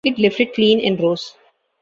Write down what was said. It lifted clean and rose.